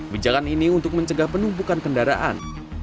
bijakan ini untuk mencegah penumpukan kendaraan